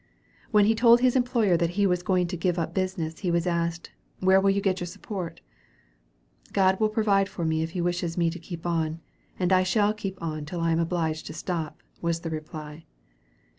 When he told his employer that he was going to give up business, he was asked, "Where will you get your support?" "God will provide for me if he wishes me to keep on, and I shall keep on till I am obliged to stop," was the reply.